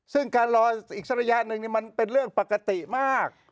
ซึ่งการรออีกสักระยะหนึ่งมันเป็นเรื่องปกติมาก